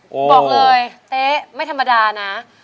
บอกเลยเต๊ะไม่ธรรมดานะ